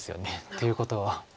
ということは。